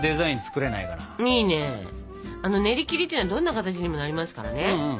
いいねねりきりっていうのはどんな形にもなりますからね。